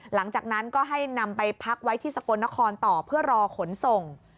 หลังจากนั้นก็ให้นำไปพักไว้ที่สกลนครต่อเพื่อรอขนส่ง